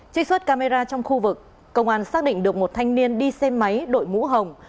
trích xuất camera trong khu vực công an xác định được một thanh niên đi xe máy đội mũ hồng